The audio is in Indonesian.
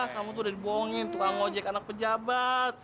kamu tuh udah dibohongin tukang ojek anak pejabat